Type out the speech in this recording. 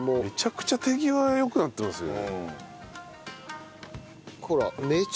めちゃくちゃ手際よくなってますよね。